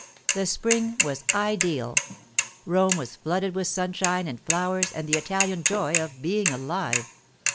The spring was ideal; Rome was flooded with sunshine and flowers and the Italian joy of being alive.